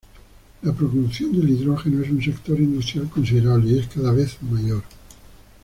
La producción del hidrógeno es un sector industrial considerable, y es cada vez mayor.